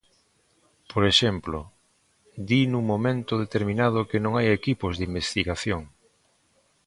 Por exemplo, di nun momento determinado que non hai equipos de investigación.